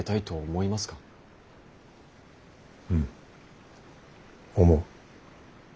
うん思う。